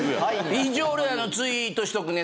一応ツイートしとくね